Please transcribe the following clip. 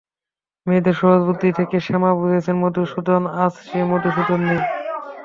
মেয়েদের সহজ বুদ্ধি থেকে শ্যামা বুঝেছে মধুসূদন আজ সে-মধুসূদন নেই।